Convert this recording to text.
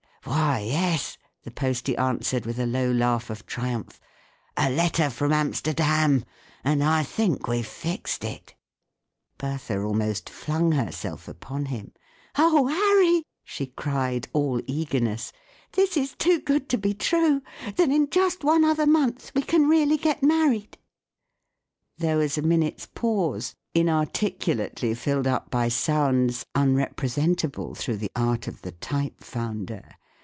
" Why, yes," the posty answered, with a low laugh of triumph. " A letter from Amsterdam ! And I think we've fixed it! " Bertha almost flung herself upon him. " Oh, Harry!" she cried, all eagerness, "this is too good to be true ! Then in just one other month we can really get married !" There was a minute's pause, inarticulately filled up by sounds unrepresentable through the art of the type founder.